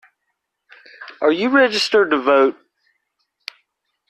Are you registered to vote?